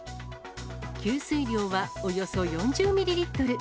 吸水量はおよそ４０ミリリットル。